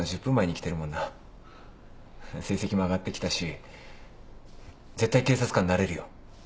成績も上がってきたし絶対警察官になれるよ。